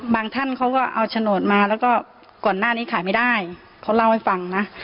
ท่านเขาก็เอาโฉนดมาแล้วก็ก่อนหน้านี้ขายไม่ได้เขาเล่าให้ฟังนะ